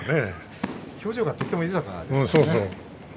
表情がとっても豊かですね。